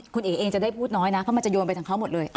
คุณเอ๋เองจะได้พูดน้อยนะเพราะมันจะโยนไปทางเขาหมดเลย